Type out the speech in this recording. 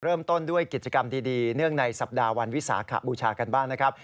เริ่มต้นด้วยกิจกรรมดีเนื่องในสัปดาห์วันวิสาขบูชากันบ้างนะครับ